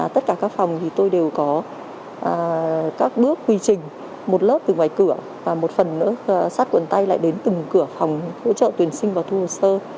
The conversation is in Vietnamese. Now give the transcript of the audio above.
tất cả các phòng thì tôi đều có các bước quy trình một lớp từ ngoài cửa và một phần nữa sát quần tay lại đến từng cửa phòng hỗ trợ tuyển sinh và thu hồ sơ